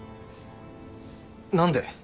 何で？